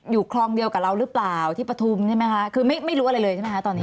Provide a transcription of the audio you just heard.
คลองเดียวกับเราหรือเปล่าที่ปฐุมใช่ไหมคะคือไม่รู้อะไรเลยใช่ไหมคะตอนนี้